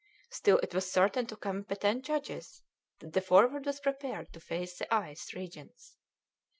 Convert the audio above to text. Still it was certain to competent judges that the Forward was prepared to face the ice regions.